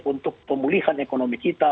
untuk pemulihan ekonomi kita